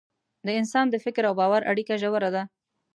د انسان د فکر او باور اړیکه ژوره ده.